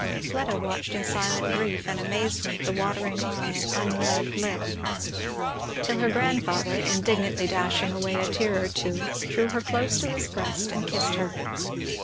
Fleda watched in silent grief and amazement the watering eye and unnerved lip; till her grandfather indignantly dashing away a tear or two drew her close to his breast and kissed her.